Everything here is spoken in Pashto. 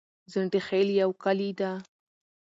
ځنډيخيل يو کلي ده